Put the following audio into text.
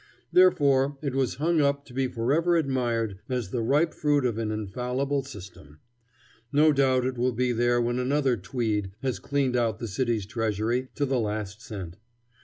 Therefore it was hung up to be forever admired as the ripe fruit of an infallible system. No doubt it will be there when another Tweed has cleaned out the city's treasury to the last cent.